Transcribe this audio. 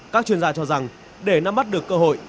các chuyên gia cho rằng để nắm bắt được cơ hội